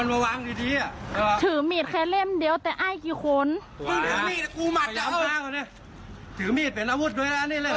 รอตังรวชมากเลย